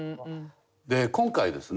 で今回ですね